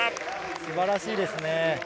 素晴らしいですね。